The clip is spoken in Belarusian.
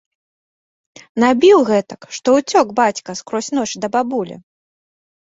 Набіў гэтак, што ўцёк бацька скрозь ноч да бабулі.